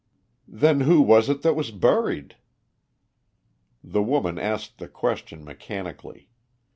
"Then who was it that was buried?" The woman asked the question mechanically.